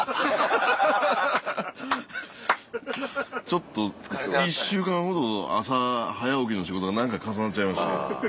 ちょっと１週間ほど朝早起きの仕事が何回か重なっちゃいまして。